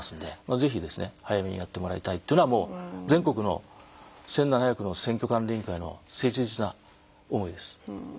ぜひですね早めにやってもらいたいというのはもう全国の１，７００の選挙管理委員会の切実な思いです。